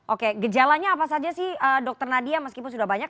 oke gejalanya apa saja sih dokter nadia meskipun sudah banyak